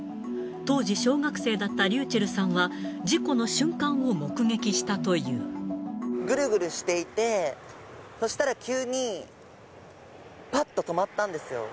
当時小学生だったｒｙｕｃｈｅｌｌさんは、事故の瞬間を目撃したぐるぐるしていて、そしたら急に、ぱっと止まったんですよ。